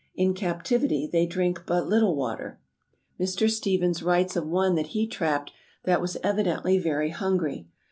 In captivity they drink but little water. Mr. Stephens writes of one that he trapped that was evidently very hungry.